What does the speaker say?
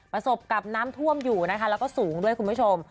ประสบกับน้ำท่วมอยู่นะคะแล้วก็สูงด้วยคุณผู้ชม